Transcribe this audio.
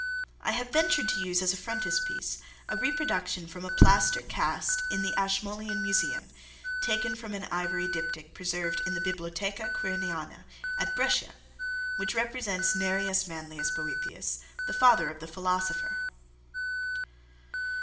I have ventured to use as a frontispiece a reproduction from a plaster cast in the Ashmolean Museum, taken from an ivory diptych preserved in the Bibliotheca Quiriniana at Brescia, which represents Narius Manlius Boethius, the father of the philosopher.